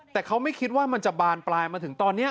แต่เขาไม่คิดว่ามันจะบานปลายมาถึงตอนนี้